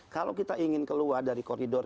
kalau kita ingin keluar dari koridor